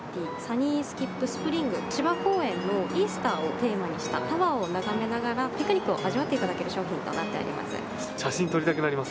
芝公園のイースターをテーマにしたタワーを眺めながらピクニックを味わっていただける商品となっております。